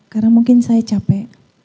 karena mungkin saya capai